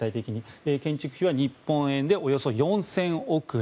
建築費は日本円でおよそ４０００億円。